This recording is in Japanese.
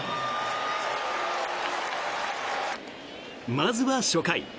まずは初回。